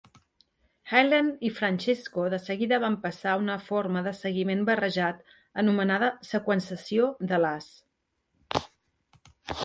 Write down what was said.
Hyland i Francesco de seguida van passar a una forma de seguiment barrejat anomenada "seqüenciació de l'as".